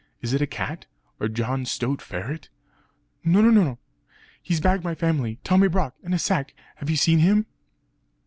Is it a cat? or John Stoat Ferret?" "No, no, no! He's bagged my family Tommy Brock in a sack have you seen him?"